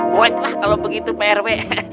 buat lah kalau begitu pak rw